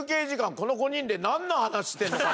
この５人で何の話してるのかな。